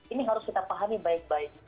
ini harus kita pahami baik baik